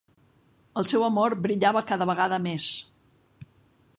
El seu amor brillava cada vegada més.